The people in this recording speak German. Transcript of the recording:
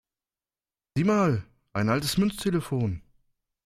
Sieh mal, ein altes Münztelefon!